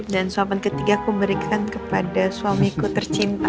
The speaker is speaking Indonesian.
dan sopan ketiga aku berikan kepada suamiku tercinta